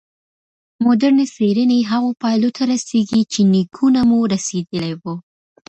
مډرني څېړنې هغو پایلو ته رسېږي چې نیکونه مو رسېدلي وو.